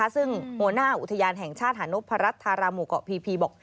ซึ่งหัวหน้าอุทยานแห่งชาติหานพรัชธาราหมู่เกาะพีบอก